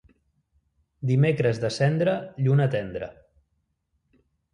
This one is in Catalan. Dimecres de Cendra, lluna tendra.